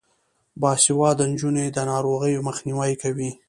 باسواده نجونې د ناروغیو مخنیوی کوي.